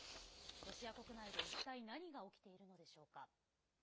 ロシア国内で一体何が起きているのでしょうか。